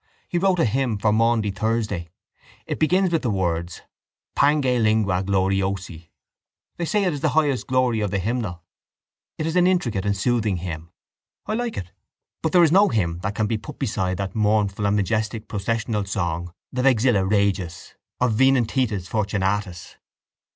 He wrote a hymn for Maundy Thursday. It begins with the words Pange lingua gloriosi. They say it is the highest glory of the hymnal. It is an intricate and soothing hymn. I like it; but there is no hymn that can be put beside that mournful and majestic processional song, the Vexilla Regis of Venantius Fortunatus.